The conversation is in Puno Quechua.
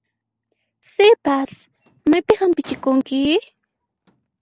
Sipas, maypin hampichikunki?